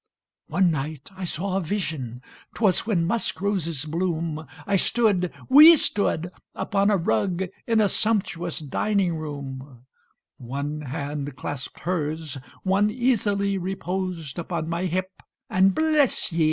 One night I saw a vision 'twas when musk roses bloom, I stood we stood upon a rug, in a sumptuous dining room: One hand clasped hers one easily reposed upon my hip And "Bless ye!"